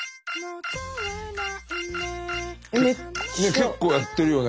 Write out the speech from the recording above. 結構やってるよね？